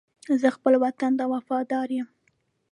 زه خپل وطن ته وفادار یم.